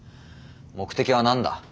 目的は何だ？